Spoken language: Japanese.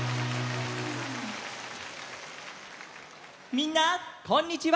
みんなこんにちは！